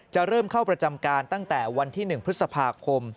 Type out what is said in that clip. เริ่มเข้าประจำการตั้งแต่วันที่๑พฤษภาคม